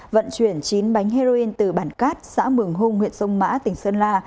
vận chuyển chín bánh heroin từ bản cát xã mường hung huyện sông mã tỉnh sơn la